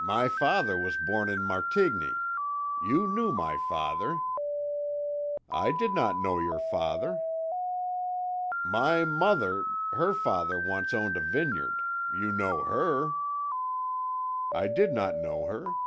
"My father was born in Martigny. You knew my father." "I did not know your father." "My mother her father once owned a vineyard. You knew her." "I did not know her."